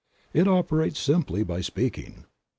It operates simply by speaking.